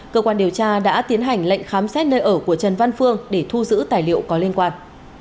cơ quan điều tra đã tiến hành lệnh khám xét nơi ở của trần văn phương để thu giữ tài liệu có liên quan